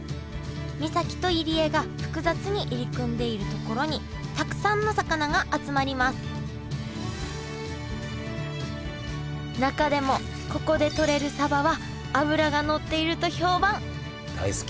岬と入り江が複雑に入り組んでいる所にたくさんの魚が集まります中でもここでとれるサバは脂がのっていると評判。